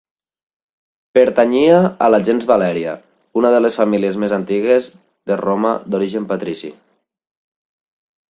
Pertanyia a la gens Valèria, una de les famílies més antigues de Roma d'origen patrici.